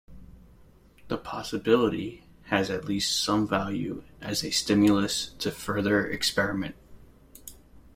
The possibility has at least some value as a stimulus to further experiment.